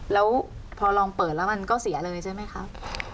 แล้วพอลองเปิดแล้วมันก็เสียเลยใช่ไหมครับ